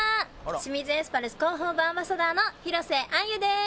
清水エスパルス広報部アンバサダーの広瀬晏夕でーす！